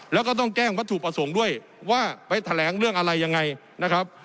แล้วก็ต้องแจ้งวัตถุประสงค์ด้วยว่าไปแถลงเรื่องอะไรยังไงนะครับ